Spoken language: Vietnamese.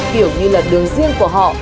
kiểu như là đường riêng của họ